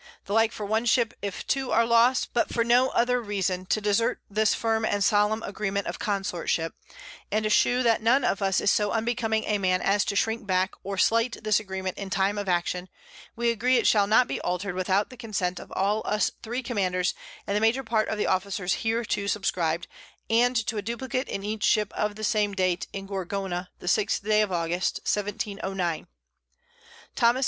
The like for one Ship if two are lost, but for no other Reason to desert this firm and solemn Agreement of Consortship; and to shew that none of us is so unbecoming a Man as to shrink back, or slight this agreement in time of Action, we agree it shall not be alter'd without the Consent of all us three Commanders, and the major part of the Officers hereto subscrib'd, and to a Duplicate in each Ship of the same Date in_ Gorgona, the sixth Day of August, 1709. Tho. Dover, _Pres.